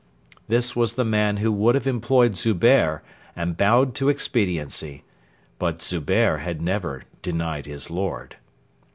This was the man who would have employed Zubehr and bowed to expediency. But Zubehr had never 'denied his Lord.'